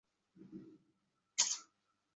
তিনি ও তার দল বিশেষ ভূমিকা পালন করেন।